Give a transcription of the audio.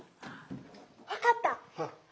分かった。